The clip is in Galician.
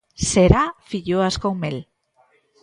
Será filloas con mel.